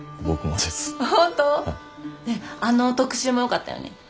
ねえあの特集もよかったよね。